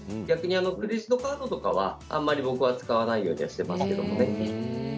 逆にクレジットカードとかはあんまり僕は使わないようにしていますけどね。